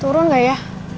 turun gak ya